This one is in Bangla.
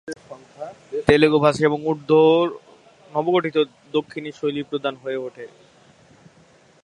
তেলুগু ভাষা এবং উর্দুর নবগঠিত দক্ষিণী শৈলী প্রধান হয়ে উঠে।